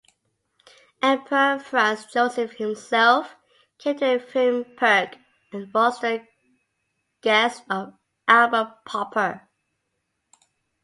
Emperor Franz Joseph himself came to Vimperk and was the guest of Albert Popper.